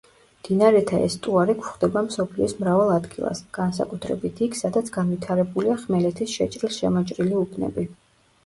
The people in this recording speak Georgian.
მდინარეთა ესტუარი გვხვდება მსოფლიოს მრავალ ადგილას, განსაკუთრებით იქ, სადაც განვითარებულია ხმელეთის შეჭრილ-შემოჭრილი უბნები.